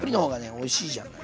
おいしいじゃない？